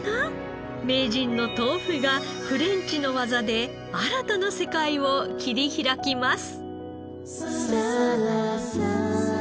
名人の豆腐がフレンチの技で新たな世界を切り開きます。